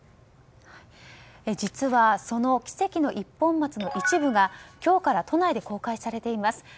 実はその奇跡の一本松の一部が今日から都内で公開されています。